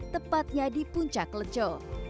tepatnya di puncak leco